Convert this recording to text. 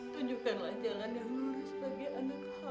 tunjukkanlah jalan yang lurus bagi anak hamba